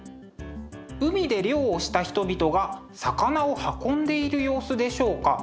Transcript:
海で漁をした人々が魚を運んでいる様子でしょうか？